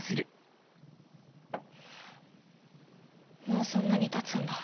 もうそんなにたつんだ。